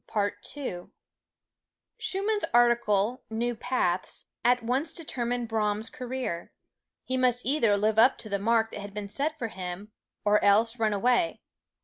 Schumann's article, "New Paths," at once determined Brahms' career. He must either live up to the mark that had been set for him or else run away.